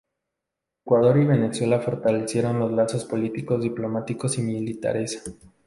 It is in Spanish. Ecuador y Venezuela fortalecieron los lazos políticos, diplomáticos y militares.